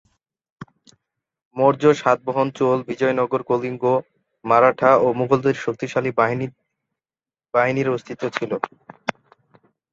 মৌর্য, সাতবাহন, চোল, বিজয়নগর, কলিঙ্গ, মারাঠা ও মুঘলদের শক্তিশালী নৌবাহিনীর অস্তিত্ব ছিল।